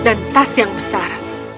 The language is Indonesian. dan tas yang besar